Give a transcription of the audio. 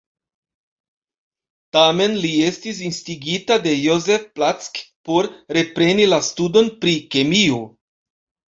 Tamen, li estis instigita de Joseph Black por repreni la studon pri kemio.